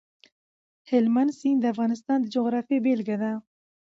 هلمند سیند د افغانستان د جغرافیې بېلګه ده.